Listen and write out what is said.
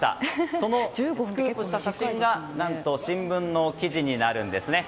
そのスクープした写真が新聞記事になるんですね。